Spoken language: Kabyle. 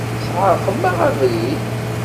Tesεerqem-aɣ abrid.